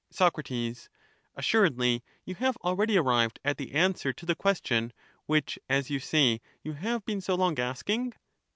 Soc, Assuredly you have already arrived at the answer to the question which, as you say, you have been so long asking